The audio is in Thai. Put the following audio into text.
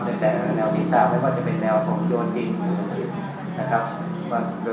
แต่ที่แสดงว่าจะเป็นแนวของโยนติดหรือหายดนะครับ